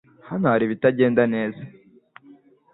Hano hari ibitagenda neza .